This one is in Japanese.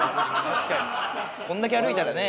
こんだけ歩いたらね。